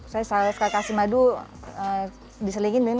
saya kasih madu diselingin